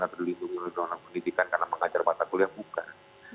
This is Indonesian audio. atau di lingkungan undang undang pendidikan karena mengajar pada kuliah bukan